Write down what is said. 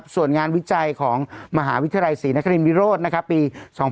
ส่วนงานวิจัยของมหาวิทยาลัยศรีนครินวิโรธปี๒๕๖๒